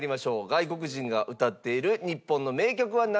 外国人が歌っている日本の名曲はなんなのか？